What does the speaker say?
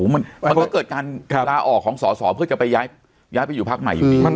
มันก็เกิดการลาออกของสอสอเพื่อจะไปย้ายไปอยู่พักใหม่อยู่ดี